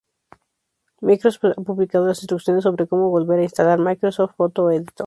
Microsoft ha publicado las instrucciones sobre cómo volver a instalar Microsoft Photo Editor.